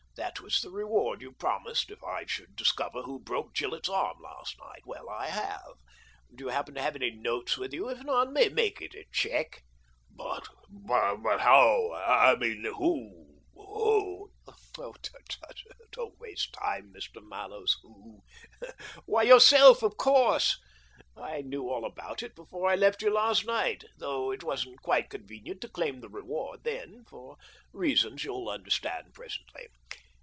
That was the reward you promised if I should discover who broke Gillett's arm last night. Well, I have. Do you happen to have any notes with you ? If not, make it a cheque." " But — but — how — I mean who — who "" Tut, tut ! Don't waste time, Mr. Mallows. Who / Why, yourself, of course. I knew all about it before I left you last night, though it wasn't quite convenient to claim the reward then, for reasons you'll understand presently.